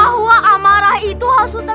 hari itu aku datang